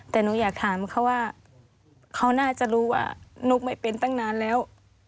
แต่หนูอยากถามเขาว่าเขาน่าจะรู้ว่านุ๊กไม่เป็นตั้งนานแล้ว